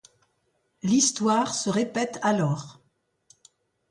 L'histoire se répète alors.